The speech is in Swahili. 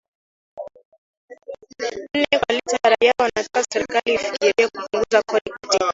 nne kwa lita raia wanataka serikali ifikirie kupunguza kodi katika